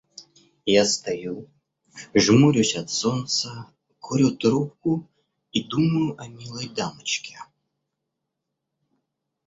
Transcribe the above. Я стою, жмурюсь от солнца, курю трубку и думаю о милой дамочке.